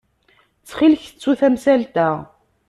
Ttxil-k, ttu tamsalt-a.